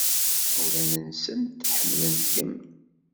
Imawlan-nsent ḥemmlen-kem.